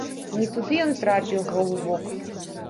Не туды ён трапіў, галубок!